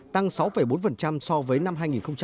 tăng sáu bốn so với năm hai nghìn một mươi